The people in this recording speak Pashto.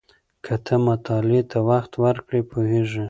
که ته مطالعې ته وخت ورکړې پوهېږې.